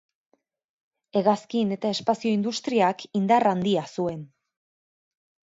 Hegazkin eta espazio industriak indar handia zuen.